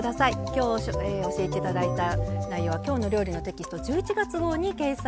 今日教えて頂いた内容は「きょうの料理」のテキスト１１月号に掲載されています。